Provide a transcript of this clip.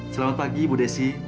selamat pagi ibu desi